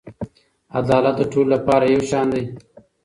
عدالت د ټولو لپاره یو شان دی.